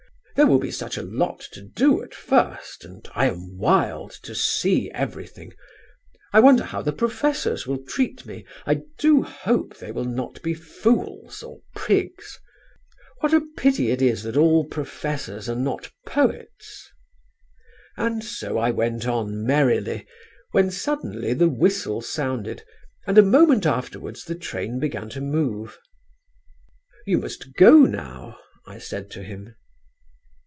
There will be such a lot to do at first, and I am wild to see everything. I wonder how the professors will treat me. I do hope they will not be fools or prigs; what a pity it is that all professors are not poets....' And so I went on merrily, when suddenly the whistle sounded and a moment afterwards the train began to move. "'You must go now,' I said to him.